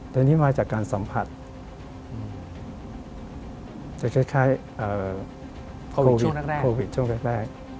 แต่นี่มาจากการสัมผัสจะคล้ายโควิดช่วงแรก